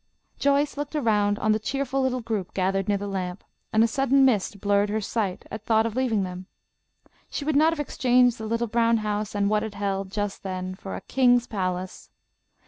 Joyce looked around on the cheerful little group gathered near the lamp, and a sudden mist blurred her sight at thought of leaving them. She would not have exchanged the little brown house and what it held, just then, for a king's palace.